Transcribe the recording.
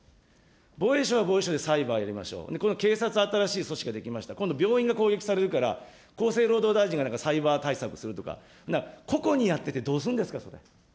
防衛省は防衛省でサイバー入れましょう、この警察、新しい組織が出来ました、今度は病院が攻撃されるから、厚生労働大臣がサイバー対策するとか、個々にやっててどうすんですかと。